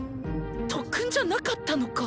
特訓じゃなかったのか。